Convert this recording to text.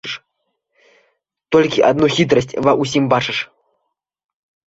Толькі адну хітрасць ва ўсім бачыш.